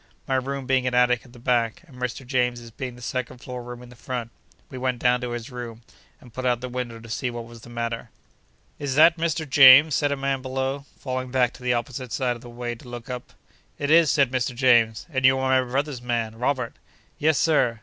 My room being an attic at the back, and Mr. James's being the second floor room in the front, we went down to his room, and put up the window, to see what was the matter. 'Is that Mr. James?' said a man below, falling back to the opposite side of the way to look up. 'It is,' said Mr. James, 'and you are my brother's man, Robert.' 'Yes, Sir.